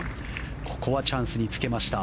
ここはチャンスにつけました。